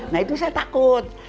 nah itu saya takut